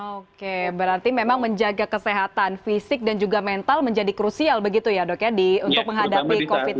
oke berarti memang menjaga kesehatan fisik dan juga mental menjadi krusial begitu ya dok ya untuk menghadapi covid sembilan belas